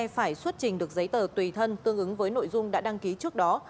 phải xuất trình được giấy tờ tùy thân tương ứng với nội dung đã đăng ký trước đó